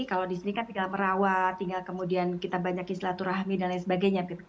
kalau di sini kan tinggal merawat tinggal kemudian kita banyak istilah turahmi dan lain sebagainya